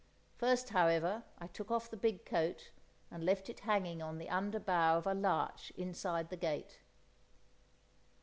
First, however, I took off the big coat, and left it hanging on the under bough of a larch inside the gate.